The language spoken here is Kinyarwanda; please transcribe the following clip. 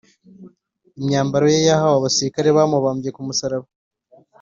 imyambaro ye yahawe abasirikare bamubambye ku musaraba